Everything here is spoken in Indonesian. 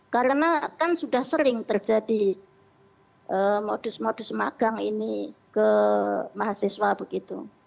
karena kan sudah sering terjadi modus modus magang ini ke mahasiswa begitu